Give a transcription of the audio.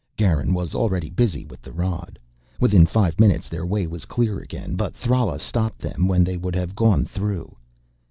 Garin was already busy with the rod. Within five minutes their way was clear again. But Thrala stopped them when they would have gone through.